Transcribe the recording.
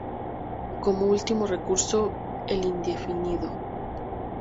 Como último recurso, el indefinido.